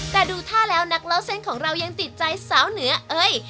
แต่ดูท่าแล้วนักเล่าเส้นของเรายังติดใจสาวเหนือเอ้ย